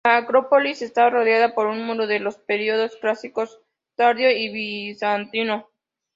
La acrópolis estaba rodeada por un muro de los periodos clásico tardío y bizantino.